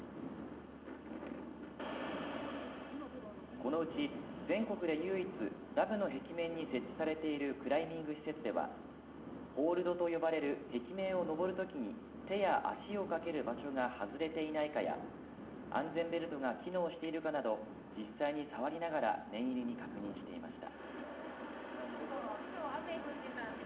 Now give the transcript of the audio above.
このうち全国で唯一ダムの壁面に設置されているクライミング施設ではホールドと呼ばれる壁面を登るときに手や足をかける場所が外れていないかや安全ベルトが機能しているかなど実際に触りながら念入りに確認していました。